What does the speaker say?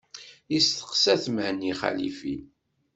Yesteqsa-t Mhenni Xalifi.